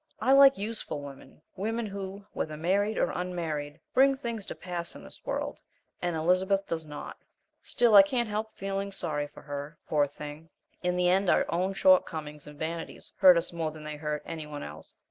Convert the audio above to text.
I like useful women women who, whether married or unmarried, bring things to pass in this world, and Elizabeth does not. Still, I can't help feeling sorry for her, poor thing; in the end our own shortcomings and vanities hurt us more than they hurt any one else.